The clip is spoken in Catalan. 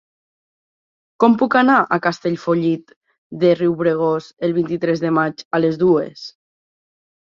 Com puc anar a Castellfollit de Riubregós el vint-i-tres de maig a les dues?